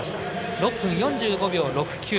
６分４５秒６９。